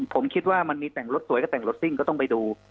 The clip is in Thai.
ผมคิดว่ามันมีแต่งรถสวยก็แต่งรถซิ่งก็ต้องไปดู